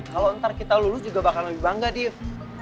kalau ntar kita lulus juga bakal lebih bangga dief